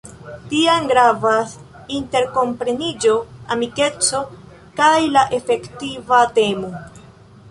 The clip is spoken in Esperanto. Tiam gravas interkompreniĝo, amikeco kaj la efektiva temo.